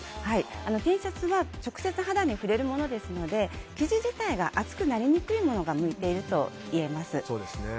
Ｔシャツは直接、肌に触れるものですので生地自体が熱くなりにくいものが向いているといえます。